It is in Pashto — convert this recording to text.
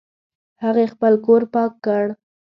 هغې خپل کور پاک کړ